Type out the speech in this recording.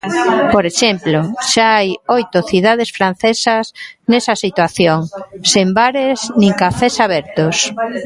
Por exemplo, xa hai oito cidades francesas nesa situación, sen bares nin cafés abertos.